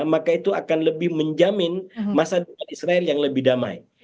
maka itu akan lebih menjamin masa depan israel yang lebih damai